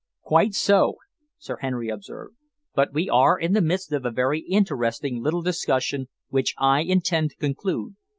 "Quite so," Sir Henry observed, "but we are in the midst of a very interesting little discussion which I intend to conclude.